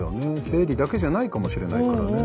生理だけじゃないかもしれないからね。